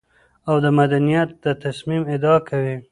او د مدنيت د تصميم ادعا کوي.